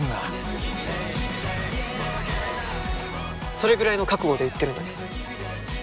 それぐらいの覚悟で言ってるんだけど。